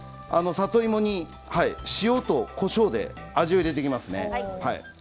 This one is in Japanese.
里芋に塩とこしょうで味を入れていきますね。